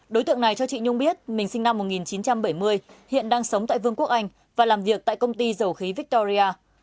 đối tượng này cho chị nhung biết mình sinh năm một nghìn chín trăm bảy mươi hiện đang sống tại vương quốc anh và làm việc tại công ty dầu khí victoria